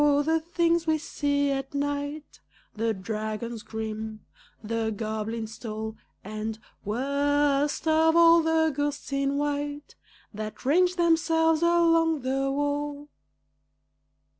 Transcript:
the things we see at night The dragons grim, the goblins tall, And, worst of all, the ghosts in white That range themselves along the wall!